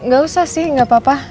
gak usah sih nggak apa apa